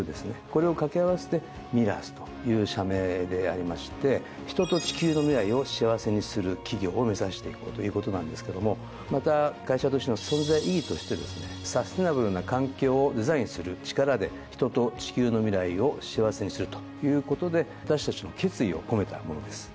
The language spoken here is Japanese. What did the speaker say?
これを掛け合わせてＭＩＲＡＲＴＨという社名でありまして人と地球の未来を幸せにする企業を目指していこうということなんですけどもまた会社としての存在意義としてですね「サステナブルな環境をデザインする力で、人と地球の未来を幸せにする。」ということで私たちの決意を込めたものです。